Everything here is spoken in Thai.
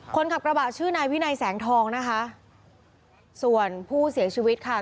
คนขับกระบะชื่อนายวินัยแสงทองนะคะส่วนผู้เสียชีวิตค่ะ